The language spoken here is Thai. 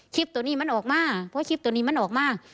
ตัวนี้มันออกมาเพราะคลิปตัวนี้มันออกมา